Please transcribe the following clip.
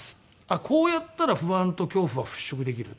こうやったら不安と恐怖は払拭できるこれをやれば。